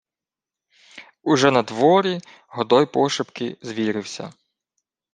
Уже надворі Годой пошепки звірився: